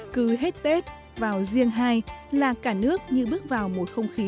cứ hết tết vào riêng hai là cả nước như bước vào một không khí